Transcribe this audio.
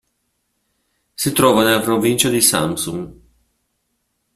Si trova nella provincia di Samsun.